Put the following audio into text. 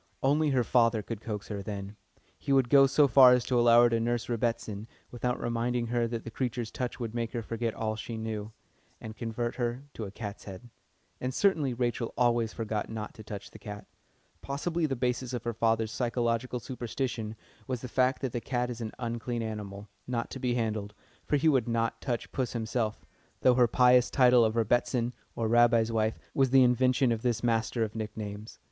Only her father could coax her then. He would go so far as to allow her to nurse "Rebbitzin," without reminding her that the creature's touch would make her forget all she knew, and convert her into a "cat's head." And certainly Rachel always forgot not to touch the cat. Possibly the basis of her father's psychological superstition was the fact that the cat is an unclean animal, not to be handled, for he would not touch puss himself, though her pious title of "Rebbitzin," or Rabbi's wife, was the invention of this master of nicknames.